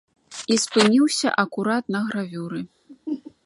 І спыніўся акурат на гравюры.